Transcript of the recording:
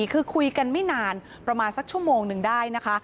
คือคุยกันไม่นานประมาณสักชั่วโมงหนึ่งได้นะคะ